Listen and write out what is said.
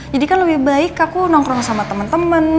jadi kan lebih baik aku nongkrong sama temen temen